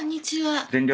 『全力！